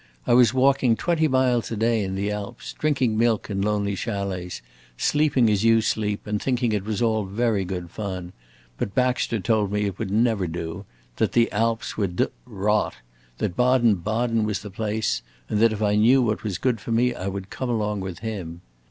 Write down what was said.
I was walking twenty miles a day in the Alps, drinking milk in lonely chalets, sleeping as you sleep, and thinking it was all very good fun; but Baxter told me it would never do, that the Alps were 'd d rot,' that Baden Baden was the place, and that if I knew what was good for me I would come along with him.